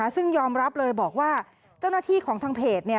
ซึ่งยอมรับเลยบอกว่าเจ้าหน้าที่ของทางเพจ